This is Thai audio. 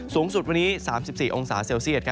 สูงสุดวันนี้๓๔องศาเซลเซียต